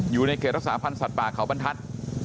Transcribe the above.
อยู่ในเขตรักษาพันธ์สัตว์ป่าเขาบรรทัศน์